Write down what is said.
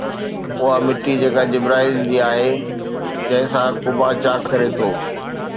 اها مٽي جيڪا جبرائيل جي آهي جنهن سان قبا چاڪ ڪري ٿو